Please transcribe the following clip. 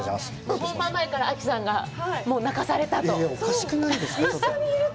本番前から亜紀さんが、泣かされたと。